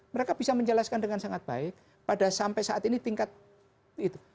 mereka bisa menjelaskan dengan sangat baik pada sampai saat ini tingkat itu